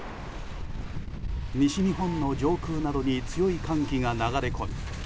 西日本の上空などに強い寒気が流れ込み